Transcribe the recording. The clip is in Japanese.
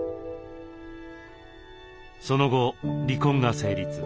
その後離婚が成立。